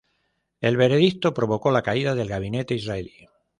El veredicto provocó la caída del gabinete israelí.